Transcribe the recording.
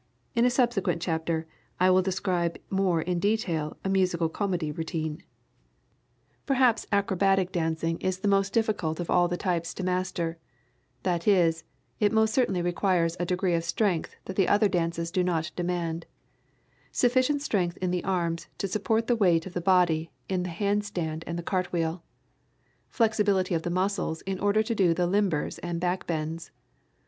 In a subsequent chapter, I will describe more in detail a musical comedy routine. Perhaps Acrobatic Dancing is the most difficult of all the types to master that is, it most certainly requires a degree of strength that the other dances do not demand; sufficient strength in the arms to support the weight of the body in the hand stand and the cartwheel, flexibility of the muscles in order to do the "limbers" and back bends.